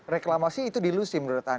reklamasi itu dilusi menurut anda